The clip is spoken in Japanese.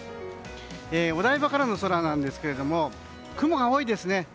お台場からの空なんですが雲が多いですね。